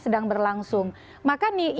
sedang berlangsung maka nih